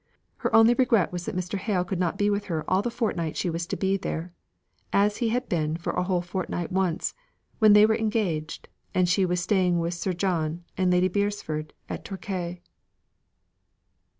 Her only regret was that Mr. Hale could not be with her all the fortnight she was to be there, as he had been for a whole fortnight once, when they were engaged, and she was staying with Sir John and Lady Beresford at Torquay.